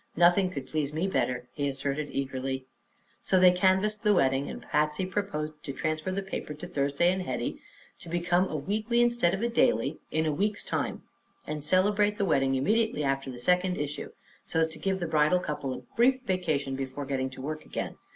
"Nothing could please me better," he asserted eagerly. So they canvassed the wedding, and Patsy proposed they transfer the paper to Thursday and Hetty to become a weekly instead of a daily in a week's time, and celebrate the wedding immediately after the second issue, so as to give the bridal couple a brief vacation before getting to work again.